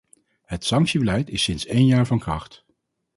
Het sanctiebeleid is sinds één jaar van kracht.